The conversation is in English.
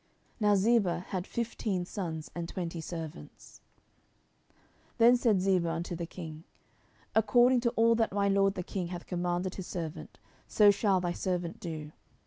Now Ziba had fifteen sons and twenty servants. 10:009:011 Then said Ziba unto the king, According to all that my lord the king hath commanded his servant, so shall thy servant do.